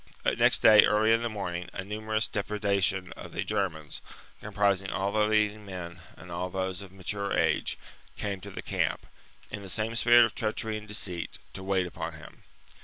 Next day, early in the morning, a numerous deputation of the Germans, comprising all the leading men and all those of mature age, came to the camp, in the same spirit of treachery and deceit, to wait upon him.